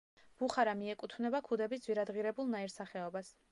ბუხარა მიეკუთვნება ქუდების ძვირადღირებულ ნაირსახეობას.